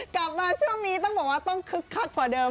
กลับมาช่วงนี้ต้องบอกว่าต้องคึกคักกว่าเดิม